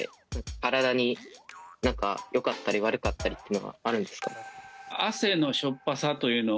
体に何かよかったり悪かったりっていうのがあるんですか？